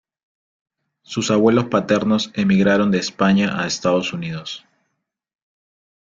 Sus abuelos paternos emigraron de España a Estados Unidos.